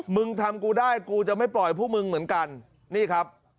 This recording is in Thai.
มึงทำกูได้กูจะไม่ปล่อยพวกมึงเหมือนกันนี่ครับ